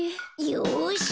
よし。